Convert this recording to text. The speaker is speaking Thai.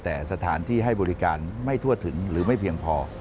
แต่สถานที่ให้บริการไม่ทั่วถึงหรือไม่เพียงพอ